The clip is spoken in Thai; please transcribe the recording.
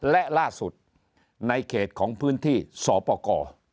และล่าสุดในเขตของพื้นที่สปกร